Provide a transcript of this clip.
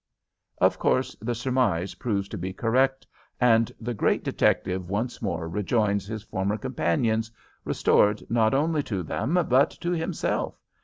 Of course, the surmise proves to be correct, and the great detective once more rejoins his former companions, restored not only to them, but to himself.